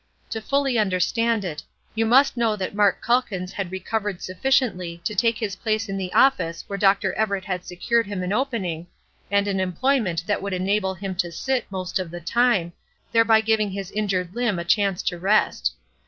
To fully understand it, you must know that Mark Calkins had recovered sufficiently to take his place in the office where Dr. Everett had secured him an opening, and an employment that would enable him to sit, most of the time, thereby giving his injured limb a chance to rest.